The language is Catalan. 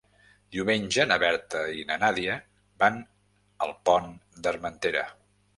Diumenge na Berta i na Nàdia van al Pont d'Armentera.